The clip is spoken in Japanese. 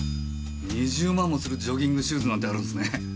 ２０万もするジョギングシューズなんてあるんすね。